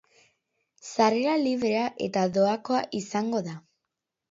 Sarrera librea eta doakoa izango da.